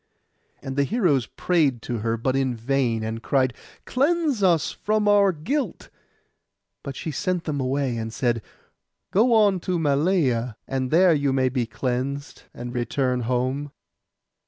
And the heroes prayed her, but in vain, and cried, 'Cleanse us from our guilt!' But she sent them away, and said, 'Go on to Malea, and there you may be cleansed, and return home.